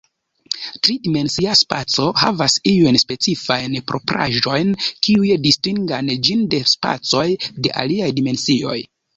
Tri-dimensia spaco havas iujn specifajn propraĵojn, kiuj distingan ĝin de spacoj de aliaj dimensioj.